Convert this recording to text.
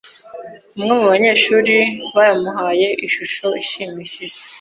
Umwe mu banyeshuri ba yamuhaye ishusho ishimishije.